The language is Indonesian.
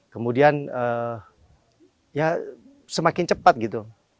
kemudian semakin cepat gitu